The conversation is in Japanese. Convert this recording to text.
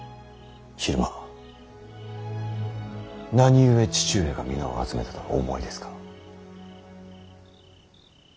昼間何故父上が皆を集めたとお思いですか。